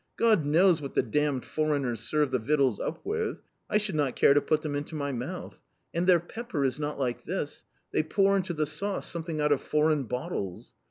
God knows what the damned foreigners serve the victuals up with ; I should not care to put them into my mouth. And their pepper is not like this ; they pour into the sauce something out of foreign bottles.